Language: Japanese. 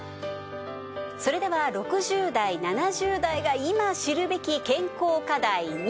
それでは６０代７０代が今知るべき健康課題